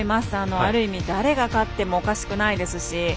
ある意味、誰が勝ってもおかしくないですし。